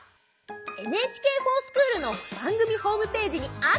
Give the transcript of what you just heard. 「ＮＨＫｆｏｒＳｃｈｏｏｌ」の番組ホームページにアクセス！！